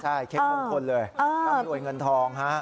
ใช่เค้กมงคลเลยร่ำรวยเงินทองฮะ